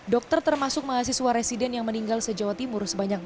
dokter termasuk mahasiswa residen yang meninggal se jawa timur